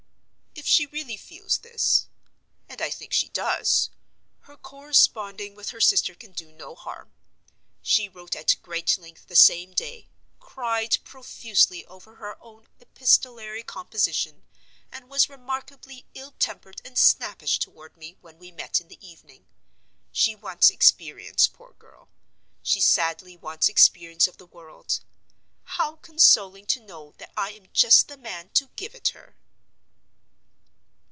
If she really feels this—and I think she does—her corresponding with her sister can do no harm. She wrote at great length the same day; cried profusely over her own epistolary composition; and was remarkably ill tempered and snappish toward me, when we met in the evening. She wants experience, poor girl—she sadly wants experience of the world. How consoling to know that I am just the man to give it her!